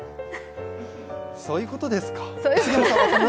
そういうことですか。